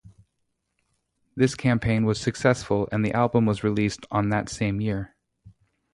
This campaign was successful and the album was released on that same year.